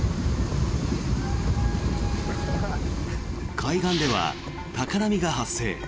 海岸では高波が発生。